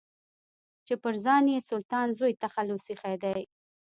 چې پر ځان يې سلطان زوی تخلص ايښی دی.